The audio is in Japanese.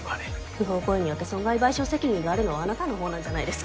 不法行為によって損害賠償責任があるのはあなたの方なんじゃないんですか？